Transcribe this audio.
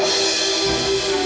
gue mau buang